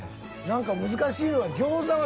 何か難しいのは。